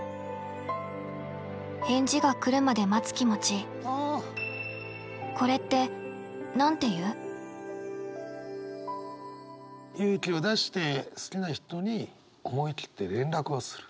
返事が来るまで待つ気持ち勇気を出して好きな人に思い切って連絡をする。